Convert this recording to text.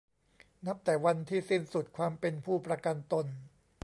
นับแต่วันที่สิ้นสุดความเป็นผู้ประกันตน